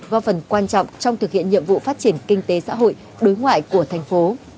góp phần quan trọng trong thực hiện nhiệm vụ phát triển kinh tế xã hội đối ngoại của thành phố